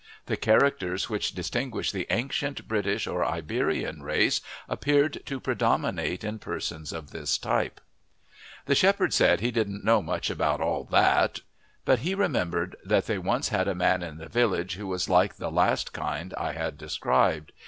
The characters which distinguish the ancient British or Iberian race appeared to predominate in persons of this type. The shepherd said he didn't know much about "all that," but he remembered that they once had a man in the village who was like the last kind I had described.